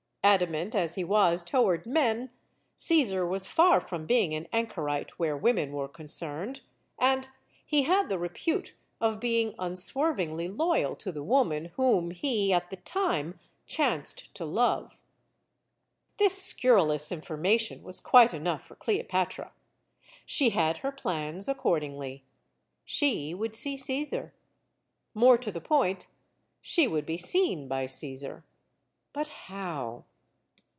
Adamant as he was toward men, Caesar was far from being an anchorite where women were concerned; and he had the repute of being unswervingly loyal to the woman whom he, at the time, chanced to love. This scurrilous information was quite enough for Cleopatra. She had her plans accordingly. She would see Caesar. More to the point, she would be seen by Caesar. But how?